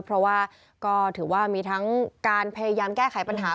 เพราะว่าก็ถือว่ามีทั้งการพยายามแก้ไขปัญหา